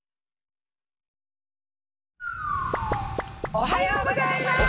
おはようございます。